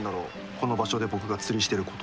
この場所で僕が釣りしてること。